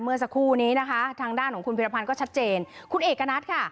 เมื่อสักครู่นี้นะคะทางด้านของคุณพิรพันธ์ก็ชัดเจนคุณเอกณัฐค่ะ